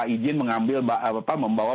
izin mengambil membawa